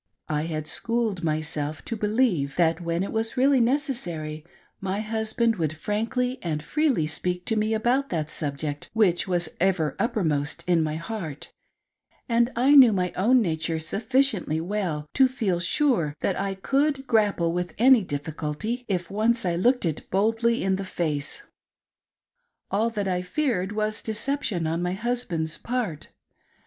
I had schooled myself to believe, that when it was really necessary, my husband would frankly and freely speak to me about that subject which was ever uppermost in my heart, and I knew my own nature sufficiently well to feel sure that I could grapple with any difficulty, if once I looked it boldly in the face. All that I feared was deception on my husband's part.